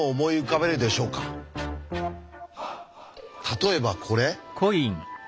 例えばこれ？